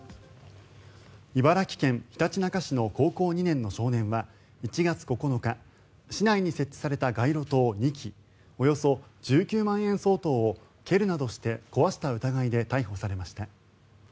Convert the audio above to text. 茨城県ひたちなか市の高校２年の少年は１月９日市内に設置された街路灯２基およそ１９万円相当を蹴るなどして壊した疑いで逮捕されました。